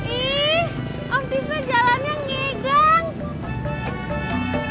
ih om fisla jalannya ngegang